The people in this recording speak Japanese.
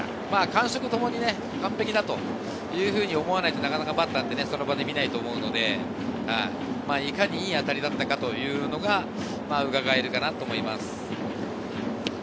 感触も完璧だったと思わないとバッターはその場では見ないと思うので、いかにいい当たりだったかというのがうかがえるかなと思います。